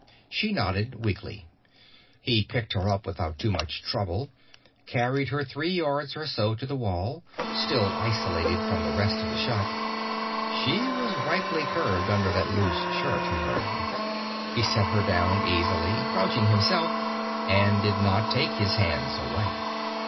She nodded weakly. He picked her up without too much trouble, carried her three yards or so to the wall, still isolated from the rest of the shop. She was ripely curved under that loose shirt, he learned. He set her down easily, crouching himself, and did not take his hands away.